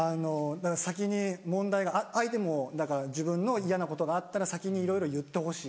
先に問題が相手もだから自分の嫌なことがあったら先にいろいろ言ってほしい。